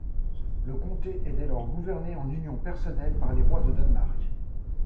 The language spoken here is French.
Le comté est dès lors gouverné en union personnelle par les rois de Danemark.